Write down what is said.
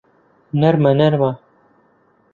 نەرمە نەرمە